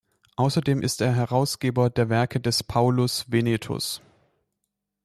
Außerdem ist er Herausgeber der Werke des Paulus Venetus.